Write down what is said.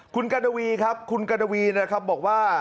คุณกระนะวีครับคุณกระนะวีนะครับบอกว่า